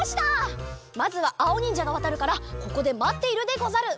まずはあおにんじゃがわたるからここでまっているでござる。